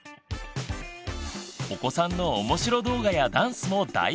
お子さんのおもしろ動画やダンスも大募集！